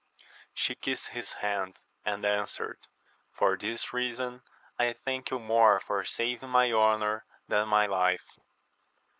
She kissed his hand, and answered, For this reason I thank you more for saving my honour than my life.